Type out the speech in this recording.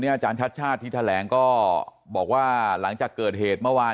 อาจารย์ชาติชาติที่แถลงก็บอกว่าหลังจากเกิดเหตุเมื่อวาน